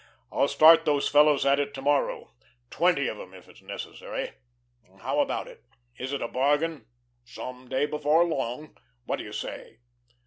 I'll start those fellows at it to morrow twenty of 'em if it's necessary. How about it? Is it a bargain? Some day before long. What do you say?"